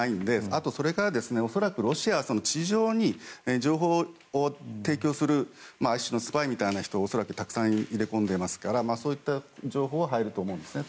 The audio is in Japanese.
あと、それからロシアは情報を提供する一種のスパイみたいな人をたくさん入れ込んでいますからそういった情報は入ると思うんですね。